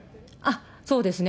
そうですね。